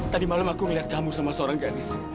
tadi malam aku melihat camuk sama seorang gadis